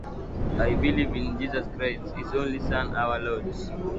I believe in Jesus Christ, his only Son, our Lord.